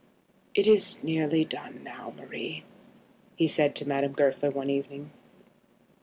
"It is nearly done now, Marie," he said to Madame Goesler one evening.